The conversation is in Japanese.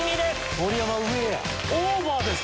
オーバーですか？